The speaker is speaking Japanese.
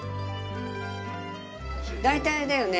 大体あれだよね。